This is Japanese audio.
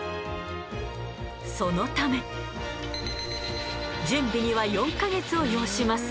そのため準備には４ヵ月を要します。